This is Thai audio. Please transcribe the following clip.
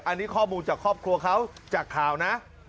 อันนี้ข้อมูลจากครอบครัวเขาจากข่าวนะ